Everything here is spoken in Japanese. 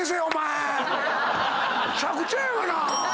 めちゃくちゃやがな。